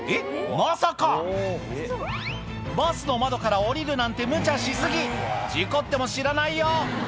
まさかバスの窓から降りるなんてむちゃし過ぎ事故っても知らないよ